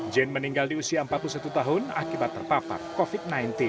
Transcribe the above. jane meninggal di usia empat puluh satu tahun akibat terpapar covid sembilan belas